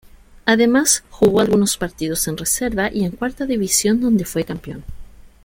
Además, jugó algunos partidos en reserva y en cuarta división donde fue campeón.